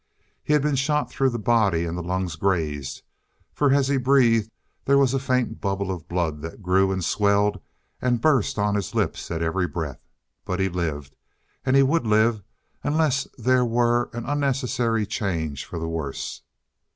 He had been shot through the body and the lungs grazed, for as he breathed there was a faint bubble of blood that grew and swelled and burst on his lips at every breath. But he lived, and he would live unless there were an unnecessary change for the worse.